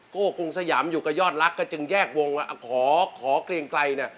โก้กรุงสยามอยู่กับยอดรักษ์ก็จึงแยกวงมาขอเกียงไกรนะ